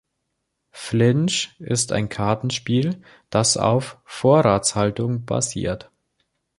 Flinch ist ein Kartenspiel, das auf Vorratshaltung basiert.